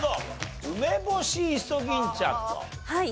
はい。